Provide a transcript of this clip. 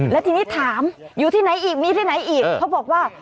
แล้วทีนี้ถามอยู่ที่ไหนอีกมีที่ไหนอีกเขาบอกว่า